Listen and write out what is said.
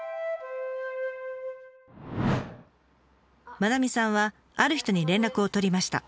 愛さんはある人に連絡を取りました。